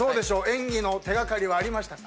演技の手掛かりはありましたか？